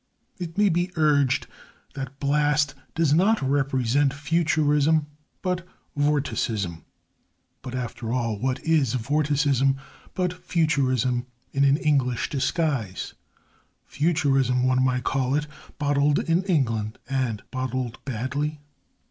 It may be urged that Blast does not represent Futurism, but Vorticism. But, after all, what is Vorticism but Futurism in an English disguise Futurism, one might call it, bottled in England, and bottled badly?